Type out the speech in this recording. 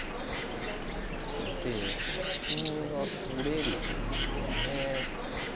ので金が取れるんですよね。